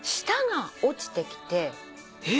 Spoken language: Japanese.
舌が落ちてきて？